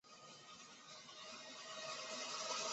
特殊意义收录对华人有特殊意义的事物命名的小行星。